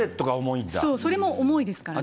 そう、それも重いですからね。